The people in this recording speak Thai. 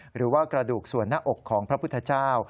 หรือว่ากระดูกส่วนหน้าอกของพระพุทธเจ้า